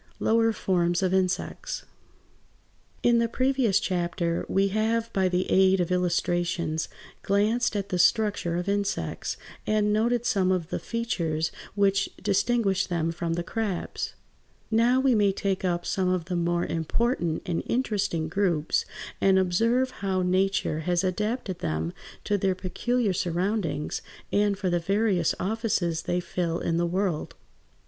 LOWER FORMS OF INSECTS In the previous chapter we have by the aid of illustrations glanced at the structure of insects, and noted some of the features which distinguished them from the crabs. Now we may take up some of the more important and interesting groups and observe how Nature has adapted them to their peculiar surroundings, and for the various offices they fill in the world.